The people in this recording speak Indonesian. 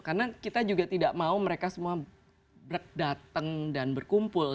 karena kita juga tidak mau mereka semua berdateng dan berkumpul